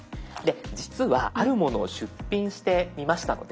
実はあるものを出品してみましたので。